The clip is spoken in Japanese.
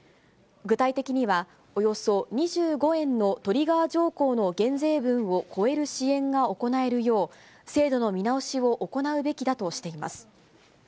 具体的には、およそ２５円のトリガー条項の減税分を超える支援が行えるよう、制度の見直しを行うべきだとしています。